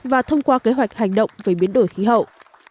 và thông qua kế hoạch hành động về biến đổi khí hậu